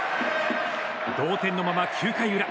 同点のまま９回裏。